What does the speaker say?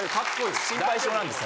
・心配性なんです。